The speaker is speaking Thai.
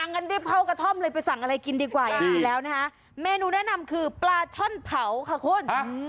งั้นรีบเข้ากระท่อมเลยไปสั่งอะไรกินดีกว่าดีแล้วนะคะเมนูแนะนำคือปลาช่อนเผาค่ะคุณ